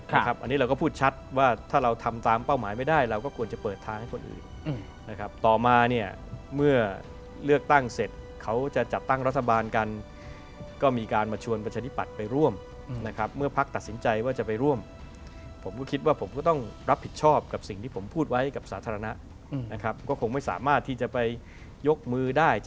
อันนี้เราก็พูดชัดว่าถ้าเราทำตามเป้าหมายไม่ได้เราก็ควรจะเปิดทางให้คนอื่นนะครับต่อมาเนี่ยเมื่อเลือกตั้งเสร็จเขาจะจัดตั้งรัฐบาลกันก็มีการมาชวนประชาธิปัตย์ไปร่วมนะครับเมื่อพักตัดสินใจว่าจะไปร่วมผมก็คิดว่าผมก็ต้องรับผิดชอบกับสิ่งที่ผมพูดไว้กับสาธารณะนะครับก็คงไม่สามารถที่จะไปยกมือได้จะ